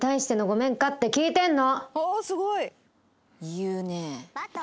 言うねえ。